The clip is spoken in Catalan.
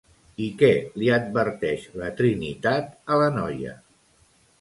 I què li adverteix la Trinitat a la noia?